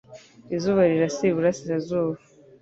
izuba rirasira ibura sira zuba